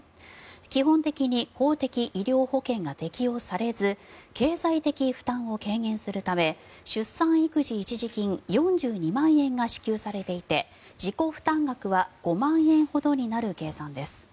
基本的に公的医療保険が適用されず経済的負担を軽減するため出産育児一時金４２万円が支給されていて、自己負担額は５万円ほどになる計算です。